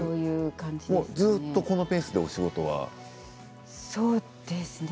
ずっとこのペースでお仕事ですか？